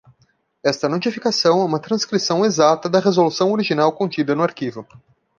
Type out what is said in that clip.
Esta notificação é uma transcrição exata da resolução original contida no arquivo.